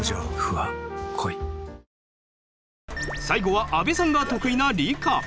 最後は阿部さんが得意な理科。